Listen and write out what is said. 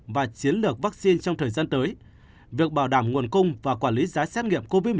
và chiến lược vaccine trong thời gian tới việc bảo đảm nguồn cung và quản lý giá xét nghiệm covid một mươi chín